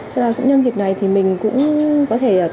cho nên là cũng nhân dịp này thì mình cũng có thể thỏa vừa kinh tế